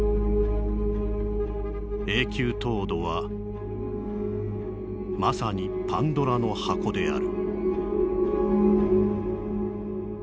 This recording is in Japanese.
「永久凍土はまさにパンドラの箱である」。